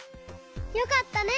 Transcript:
よかったね！